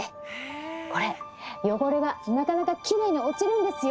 これ汚れがなかなかきれいに落ちるんですよ。